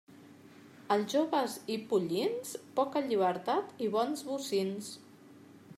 Als jóvens i pollins, poca llibertat i bons bocins.